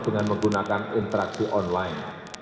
dengan menggunakan interaksi online